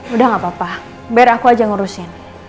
udah gak apa apa biar aku aja ngurusin